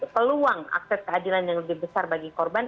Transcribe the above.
peluang akses keadilan yang lebih besar bagi korban